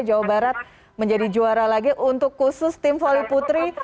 jawa barat menjadi juara lagi untuk khusus tim voli putri